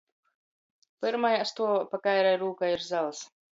Pyrmajā stuovā pa kairai rūkai ir zals.